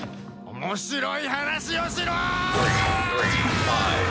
面白い話をしろーっ！